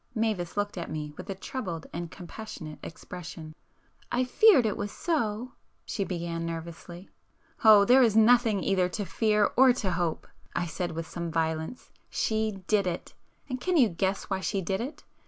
Mavis looked at me with a troubled and compassionate expression. "I feared it was so—" ... she began nervously. "Oh there is nothing either to fear or to hope"—I said with some violence—"She did it. And can you guess why she did it?